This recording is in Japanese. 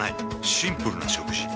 シンプルな食事。